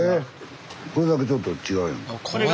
これだけちょっと違うやんか。